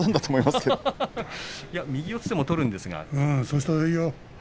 右四つでも取るんですが。